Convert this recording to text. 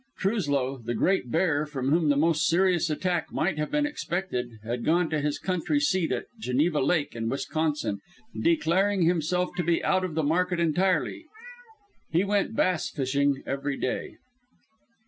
Truslow, the Great Bear, from whom the most serious attack might have been expected, had gone to his country seat at Geneva Lake, in Wisconsin, declaring himself to be out of the market entirely. He went bass fishing every day.